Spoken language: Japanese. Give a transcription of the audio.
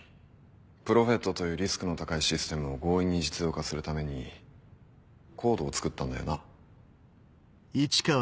プロフェットというリスクの高いシステムを強引に実用化するためにＣＯＤＥを作ったんだよな？